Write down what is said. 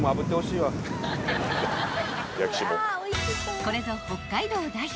［これぞ北海道代表